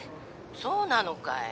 そうなのかい。